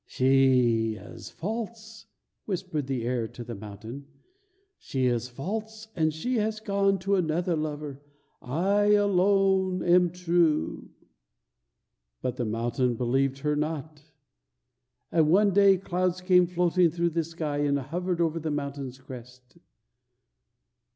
"She is false!" whispered the air to the mountain. "She is false, and she has gone to another lover. I alone am true!" But the mountain believed her not. And one day clouds came floating through the sky and hovered around the mountain's crest.